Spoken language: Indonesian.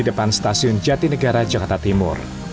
di depan stasiun jatinegara jakarta timur